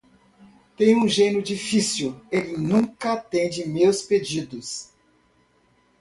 Tenho um gênio difícil: ele nunca atende meus pedidos.